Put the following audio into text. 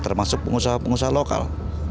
termasuk pengusaha pengusaha lokal